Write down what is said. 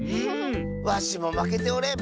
わしもまけておれん！